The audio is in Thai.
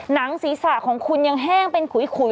หนังศีรษะของคุณยังแห้งเป็นขุย